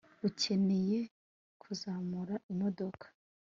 ukeneye kuzamura imodoka